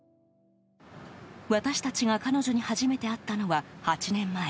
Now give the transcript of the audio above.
私たちが彼女に初めて会ったのは８年前。